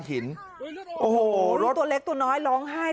เห็นครับตัวเล็กตัวน้อยร้องห้าย